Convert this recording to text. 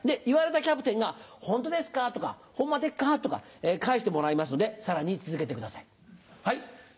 言われたキャプテンが「ホントですか？」とか「ホンマでっか？」とか返してもらいますのでさらに続けてください。